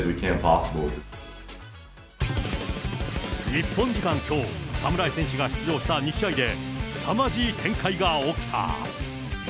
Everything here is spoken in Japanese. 日本時間きょう、侍選手が出場した２試合ですさまじい展開が起きた。